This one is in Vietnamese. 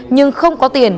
nhưng không có tiền